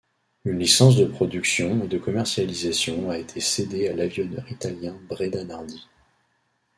Une licence de productions et de commercialisations a été cédé à l'avionneur italien Breda-Nardi.